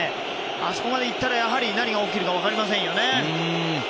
あそこまで行ったら何が起きるか分かりませんよね。